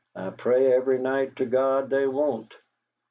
"I pray every night to God they won't!"